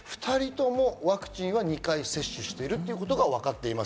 そして２人ともワクチンは２回接種しているということがわかっています。